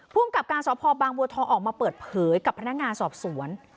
ภูมิกับการสพบางบัวทองออกมาเปิดเผยกับพนักงานสอบสวน